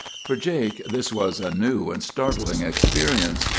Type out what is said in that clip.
"For Jake this was a new and startling experience.